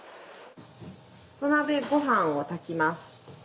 土鍋ごはんを炊きます。